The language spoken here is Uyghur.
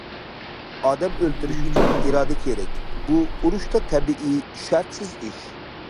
ئادەم ئۆلتۈرۈش ئۈچۈن ئىرادە كېرەك، بۇ ئۇرۇشتا تەبىئىي، شەرتسىز ئىش.